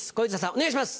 お願いします。